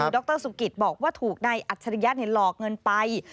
ดกต้สุกิทย์บอกว่าถูกในอัจฉริยะหลอกเงินไป